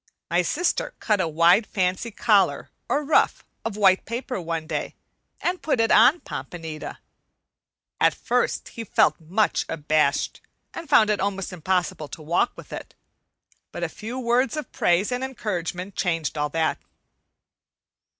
My sister cut a wide, fancy collar, or ruff, of white paper one day, and put it on Pompanita. At first he felt much abashed and found it almost impossible to walk with it. But a few words of praise and encouragement changed all that.